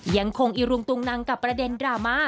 ยังคงอิรุงตุงนังกับประเด็นดราม่า